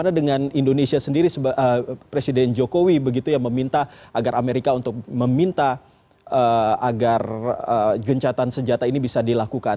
karena dengan indonesia sendiri presiden jokowi begitu ya meminta agar amerika untuk meminta agar gencatan senjata ini bisa dilakukan